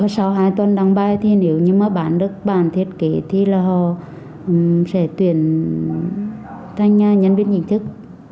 sau hai tuần đăng bài nếu mà bán được bản thiết kế thì họ sẽ tuyển thành nhân viên nhìn thức